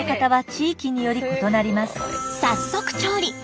早速調理！